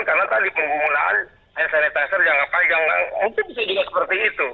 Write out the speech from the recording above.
karena tadi penggunaan hand sanitizer yang apa yang mungkin bisa juga seperti itu